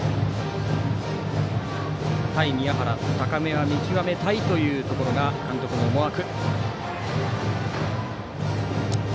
対宮原高めは見極めたいというのが監督の思惑。